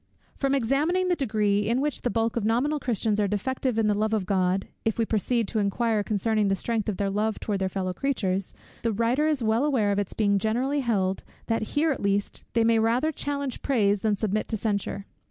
From examining the degree in which the bulk of nominal Christians are defective in the love of God, if we proceed to inquire concerning the strength of their love towards their fellow creatures, the writer is well aware of its being generally held, that here at least they may rather challenge praise than submit to censure.